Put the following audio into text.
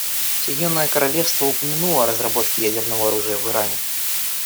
Соединенное Королевство упомянуло о разработке ядерного оружия в Иране.